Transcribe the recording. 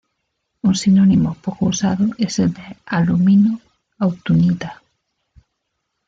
Un sinónimo poco usado es el de "alumino-autunita".